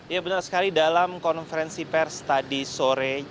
ya benar sekali dalam konferensi pers tadi sore